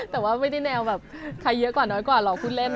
แต่ว่าไม่ได้แนวแบบใครเยอะกว่าน้อยกว่าเราพูดเล่น